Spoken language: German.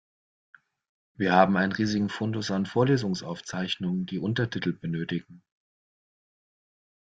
Wir haben einen riesigen Fundus an Vorlesungsaufzeichnungen, die Untertitel benötigen.